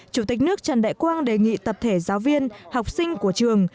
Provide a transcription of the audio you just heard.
chủ tịch nước trần đại quang đề nghị tập thể giáo viên học sinh của trường